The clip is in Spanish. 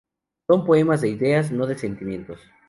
Son poemas de ideas, no de sentimientos.